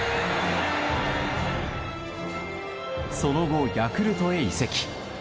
その後、ヤクルトへ移籍。